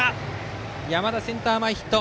山田、センター前ヒット。